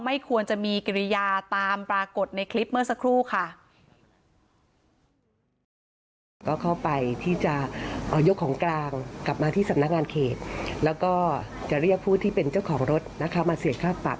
ไม่ควรจะมีกิริยาตามปรากฏในคลิปเมื่อสักครู่ค่ะ